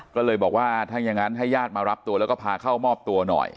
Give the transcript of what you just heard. ก็เลยบอกว่าถ้าอย่างนั้นให้ญาติมารับตัวแล้วก็พาเข้ามอบตัวหน่อย